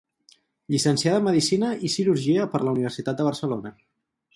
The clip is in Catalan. Llicenciada en medicina i cirurgia per la Universitat de Barcelona.